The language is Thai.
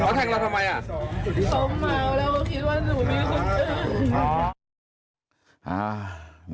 เขาแทงเราทำไมอ่ะเขาเมาแล้วคิดว่าหนูมีคนอื่น